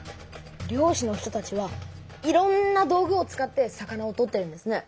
漁師の人たちはいろんな道具を使って魚を取ってるんですね。